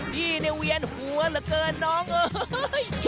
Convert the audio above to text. พี่เนี่ยเวียนหัวเหลือเกินน้องเอ้ย